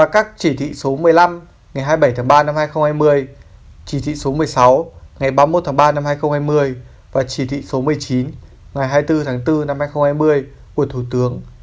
chỉ thị số một mươi sáu ngày ba mươi một tháng ba năm hai nghìn hai mươi và chỉ thị số một mươi chín ngày hai mươi bốn tháng bốn năm hai nghìn hai mươi của thủ tướng